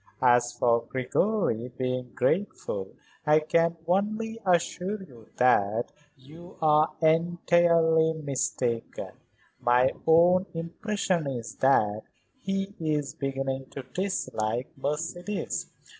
As for Gregory being grateful I can only assure you that you are entirely mistaken. My own impression is that he is beginning to dislike Mercedes.